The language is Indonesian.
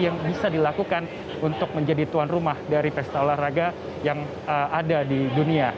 yang bisa dilakukan untuk menjadi tuan rumah dari pesta olahraga yang ada di dunia